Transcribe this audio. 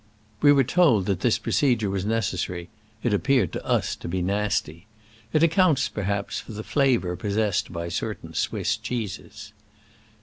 We were told that this procedure was necessary : it appear ed to us to be nasty. It accounts, per haps, for the flavor possessed by certain Swiss cheeses.